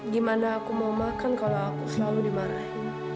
gimana aku mau makan kalau aku selalu dimarahin